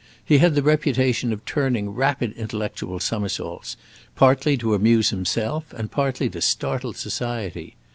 He had the reputation of turning rapid intellectual somersaults, partly to amuse himself and partly to startle society.